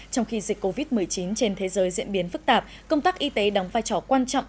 trong khi dịch covid một mươi chín trên thế giới diễn biến phức tạp công tác y tế đóng vai trò quan trọng